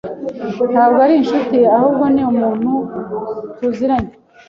Ntabwo ari inshuti, ahubwo ni umuntu tuziranye.